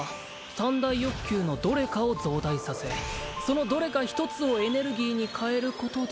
「三大欲求のどれかを増大させ」「そのどれか一つをエネルギーに変えることで」